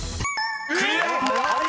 ［クリア！］